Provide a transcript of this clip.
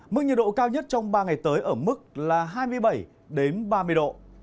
mức nhiệt độ cao nhất trong ba ngày tới ở mức là hai mươi bảy ba mươi độ